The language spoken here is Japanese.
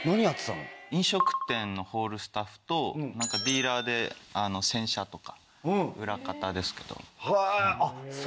飲食店のホールスタッフとディーラーで洗車とか裏方ですけど。